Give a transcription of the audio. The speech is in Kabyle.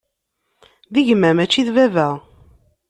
D gma, mačči d baba.